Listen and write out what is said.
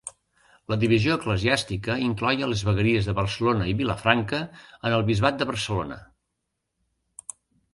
La divisió eclesiàstica incloïa les vegueries de Barcelona i Vilafranca en el bisbat de Barcelona.